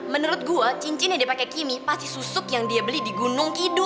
menurut gue cincin yang dia pakai kimi pasti susuk yang dia beli di gunung kidul